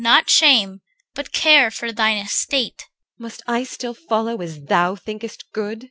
Not shame, but care for thine estate. EL. Must I still follow as thou thinkest good?